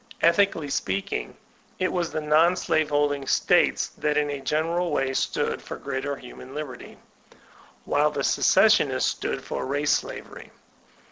Ethi cally speaking, it was the non slave holding States that, tn a general way, stood for greater human liberty, while the Secessionists stood for race slavery.